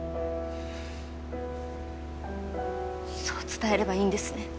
そう伝えればいいんですね。